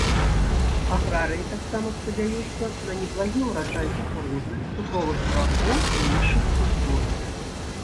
Аграрыі таксама спадзяюцца на неблагі ўраджай кукурузы, цукровых буракоў і іншых культур.